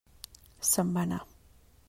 Se'n va anar.